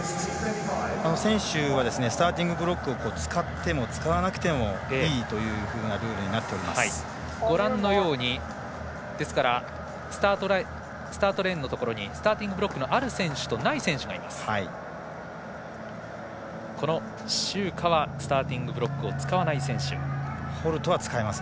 選手はスターティングブロックを使っても使わなくてもいいというふうなスタートレーンのところにスターティングブロックのある選手とない選手がいます。